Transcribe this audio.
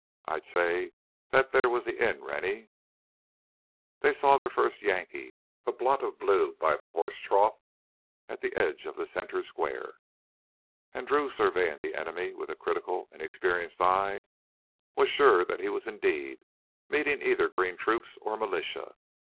I'd say that theah was the inn, Rennie " They saw their first Yankees, a blot of blue by the horse trough at the edge of the center square. And Drew, surveying the enemy with a critical and experienced eye, was sure that he was indeed meeting either green troops or militia.